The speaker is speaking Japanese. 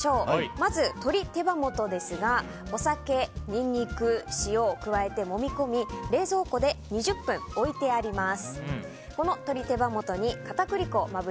まず、鶏手羽元ですがお酒、ニンニク、塩を加えてもみ込み、冷蔵庫で２０分置いてあります。